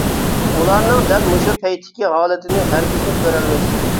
ئۇلارنىڭ دەل مۇشۇ پەيتتىكى ھالىتىنى ھەرگىزمۇ كۆرەلمەيسىز.